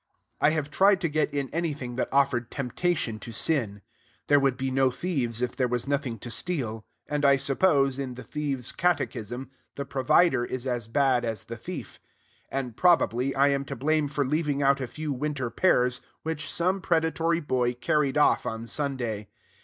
I have tried to get in anything that offered temptation to sin. There would be no thieves if there was nothing to steal; and I suppose, in the thieves' catechism, the provider is as bad as the thief; and, probably, I am to blame for leaving out a few winter pears, which some predatory boy carried off on Sunday.